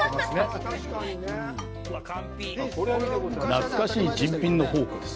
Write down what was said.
懐かしい珍品の宝庫です。